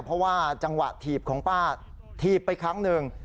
เพราะว่าจังหวะถีบของป้าถีบไปครั้งหนึ่ง